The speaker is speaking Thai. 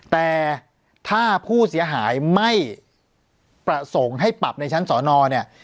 แต่ถ้าผู้เสียหายไม่ประสงค์ให้ปรับในชั้นสอนอเนี่ย